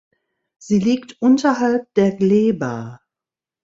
Sie liegt unterhalb der Gleba.